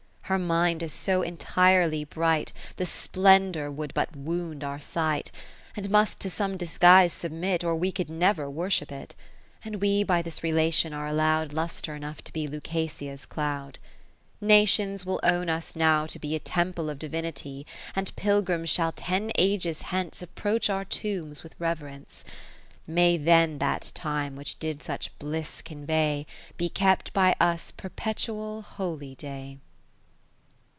Her mind is so entirely bright, The splendour would but wound our sight, And must to some disguise submit. Or we could never worship it. And we by this relation are allow'd Lustre enough to be Lucasia's cloud. Nations will own us now to be A Temple of Divinity ; 20 And pilgrims shall ten ages hence Approach our tombs with reverence. May then that time which did such bliss convey. Be kept by us perpetual Holy day.